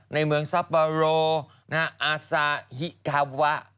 ในเมืองซับบาโรอาซาฮิกาวะ